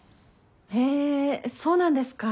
へそうなんですか。